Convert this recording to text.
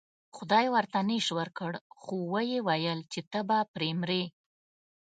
خدای ورته نیش ورکړ خو و یې ویل چې ته به پرې مرې.